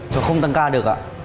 cháu không tăng ca được ạ